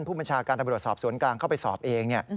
ภูมิชาการตำรวจสอบศูนย์กลางเข้าไปสอบเอง